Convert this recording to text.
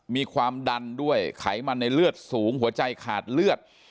มีความดันด้วยไขมันในเลือดสูงหัวใจขาดเลือด